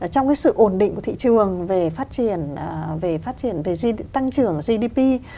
trong cái sự ổn định của thị trường về phát triển về phát triển về tăng trưởng gdp